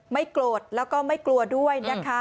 ไม่โกรธแล้วก็ไม่กลัวด้วยนะคะ